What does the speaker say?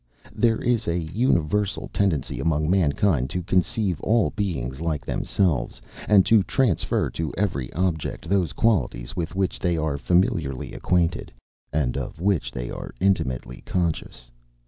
There is an universal tendency among mankind to conceive all beings like themselves, and to transfer to every object those qualities with which they are familiarly acquainted, and of which they are intimately conscious.